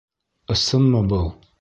Ысынмы был?